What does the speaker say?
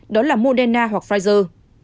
đó là moderna hoặc pfizer